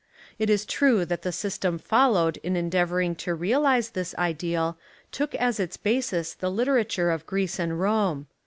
It is true that the system followed in endeavouring to realise this ideal took as its basis the literature of Greece and Rome.